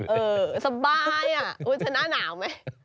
เออสบายอ่ะอุ๊ยฉันหน้าหนาวไหม